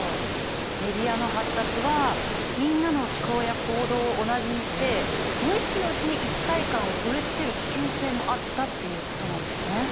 メディアの発達はみんなの思考や行動を同じにして無意識のうちに一体感を植え付ける危険性もあったっていうことなんですね。